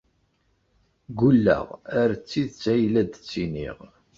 Ggulleɣ ar d tidet ay la d-ttiniɣ.